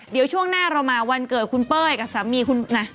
เดี๋ยวช่วงหน้าเรามาวันเกิดคุณเป้ยกับสามีคุณนะ